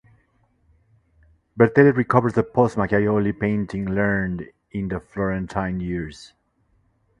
Bertelli recovers the post Macchiaioli painting learned in the Florentine years.